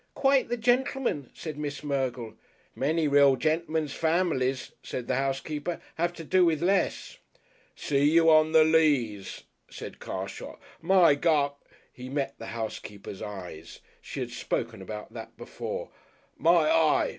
"Quite the gentleman," said Miss Mergle. "Many real gentlemen's families," said the housekeeper, "have to do with less." "See you on the Leas," said Carshot. "My gu !" He met the housekeeper's eye. She had spoken about that before. "My eye!"